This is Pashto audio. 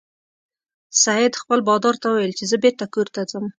سید خپل بادار ته وویل چې زه بیرته کور ته ځم.